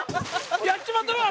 やっちまったなぁ！